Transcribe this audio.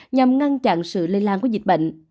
nhằm ngăn chặn sự lây lan của dịch bệnh